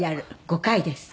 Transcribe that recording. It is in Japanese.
５回です。